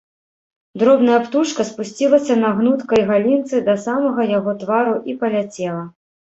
Дробная птушка спусцілася на гнуткай галінцы да самага яго твару і паляцела.